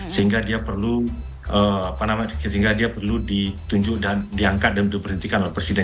sehingga dia perlu ditunjukkan diangkat dan diperhentikan oleh presiden